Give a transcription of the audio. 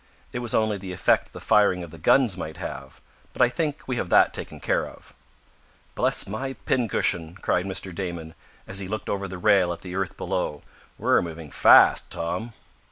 "It was only the effect the firing of the guns might have. But I think we have that taken care of." "Bless my pin cushion!" cried Mr. Damon, as he looked over the rail at the earth below. "We're moving fast, Tom."